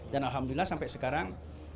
dan alhamdulillah sampai sekarang